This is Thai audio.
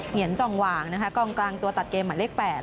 เหยีนจ่องวางนะคะกองกลางตัวตัดเกมหมายเลข๘